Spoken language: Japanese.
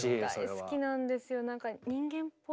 大好きなんですよ。